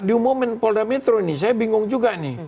di umumin polda metro ini saya bingung juga nih